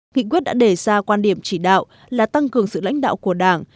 nghị quyết đã đề ra quan điểm chỉ đạo là tăng cường sự lãnh đạo của đảng